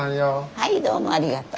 はいどうもありがとう。